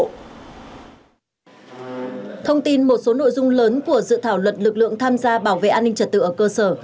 thông tin một số nội dung lớn của dự thảo luật lực lượng tham gia bảo vệ an ninh trật tự ở cơ sở